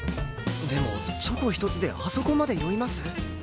でもチョコひとつであそこまで酔います？